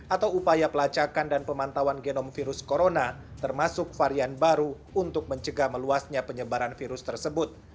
atau upaya pelacakan dan pemantauan genom virus corona termasuk varian baru untuk mencegah meluasnya penyebaran virus tersebut